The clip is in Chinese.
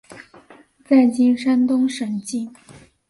在今山东省境。